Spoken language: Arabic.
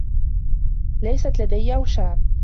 ليست لديّ أوشام.